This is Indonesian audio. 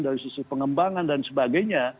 dari sisi pengembangan dan sebagainya